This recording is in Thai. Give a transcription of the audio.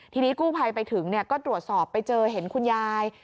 ทีนี้กู้ภัยไปถึงก็ตรวจสอบไปเจอเห็นคุณยาย